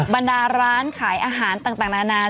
บรรดาร้านขายอาหารต่างนานา